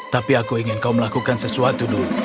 tapi aku ingin kau melakukan sesuatu dulu